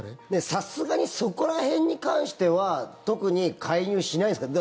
さすがにそこら辺に関しては特に介入しないんですか？